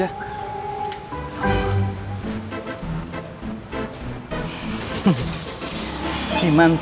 yaudah kalo gitu saya ke belakang aja